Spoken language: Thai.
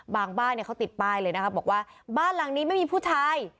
บ้านเนี่ยเขาติดป้ายเลยนะครับบอกว่าบ้านหลังนี้ไม่มีผู้ชาย